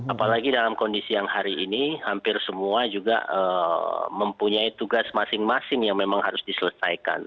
apalagi dalam kondisi yang hari ini hampir semua juga mempunyai tugas masing masing yang memang harus diselesaikan